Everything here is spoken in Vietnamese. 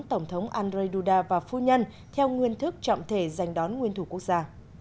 tổng thống andrzej duda và phu nhân theo nguyên thức trọng thể giành đón nguyên thủ quốc gia